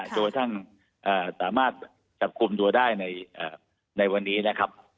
โดยท่านสามารถจับคุมตัวได้ในวันนี้นะครับ